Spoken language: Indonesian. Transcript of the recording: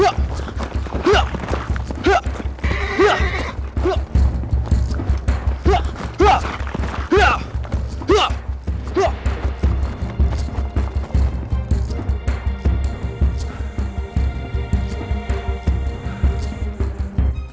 bagaimana kanjeng ratu